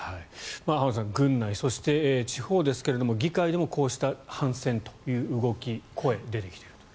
浜田さん、軍内そして地方ですが議会でもこうした反戦という動き、声が出てきていると。